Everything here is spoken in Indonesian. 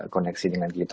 koneksi dengan kita